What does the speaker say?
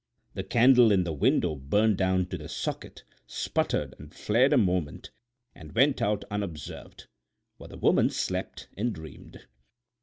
The candle in the window burned down to the socket, sputtered and flared a moment and went out unobserved; for the woman slept and dreamed.